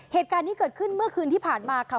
เหตุการณ์นี้เกิดขึ้นเมื่อคืนที่ผ่านมาค่ะ